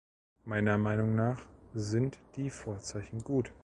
Meiner Meinung nach sind die Vorzeichen gut.